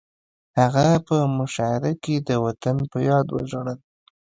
هغه په مشاعره کې د وطن په یاد وژړل